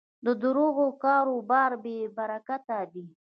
د دروغو کاروبار بېبرکته دی.